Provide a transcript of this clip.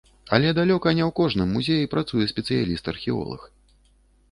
Але далёка не ў кожным музеі працуе спецыяліст-археолаг.